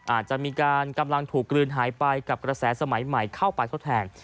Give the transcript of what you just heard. อาจจะมีการกำลังถูกกลืนหายไปกับกระแสสมัยใหม่เข้าไปทดแทน